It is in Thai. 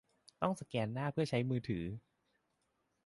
ต้องสแกนหน้าเพื่อใช้มือถือ